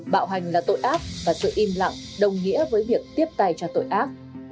bạo hành là tội ác và sự im lặng đồng nghĩa với việc tiếp tay cho tội ác